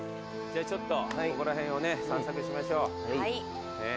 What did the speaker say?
ちょっとここら辺をね散策しましょう。